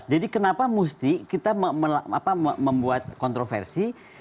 jadi kenapa mesti kita membuat kontroversi